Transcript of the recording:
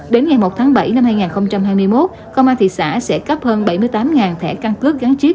đến ngày một tháng bảy năm hai nghìn hai mươi một công an thị xã sẽ cấp hơn bảy mươi tám thẻ căn cước gắn chip